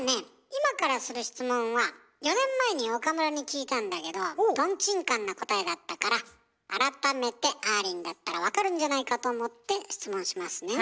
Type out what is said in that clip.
今からする質問は４年前に岡村に聞いたんだけどとんちんかんな答えだったから改めてあーりんだったら分かるんじゃないかと思って質問しますね。